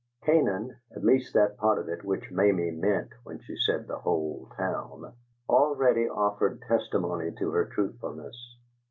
Canaan (at least that part of it which Mamie meant when she said "the whole town") already offered testimony to her truthfulness.